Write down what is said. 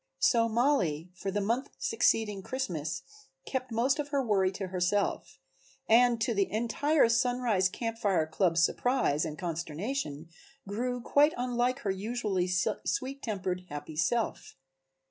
So Mollie for the month succeeding Christmas kept most of her worry to herself, and to the entire Sunrise Camp Fire club's surprise and consternation grew quite unlike her usually sweet tempered, happy self.